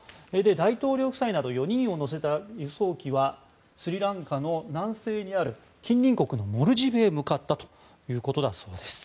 大統領夫妻など４人を乗せた輸送機はスリランカの南西にある近隣国のモルディブへ向かったということだそうです。